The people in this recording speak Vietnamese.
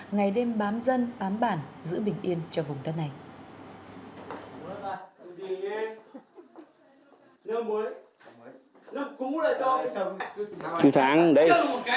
ngày đêm bám dân bám bản giữ bình yên cho vùng đất này